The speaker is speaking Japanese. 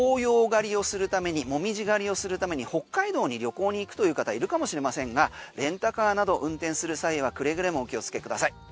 紅葉狩りをするために北海道に旅行に行くという方いるかもしれませんがレンタカーなど運転する際はくれぐれもお気をつけください。